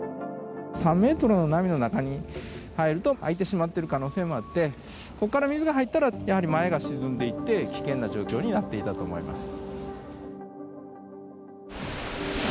３メートルの波の中に入ると開いてしまっている可能性もあってここから水が入ったらやはり前が沈んでいって危険な状況になっていたと思います。